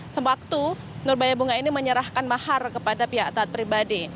sewaktu nurbaya bunga ini menyerahkan mahar kepada pihak taat pribadi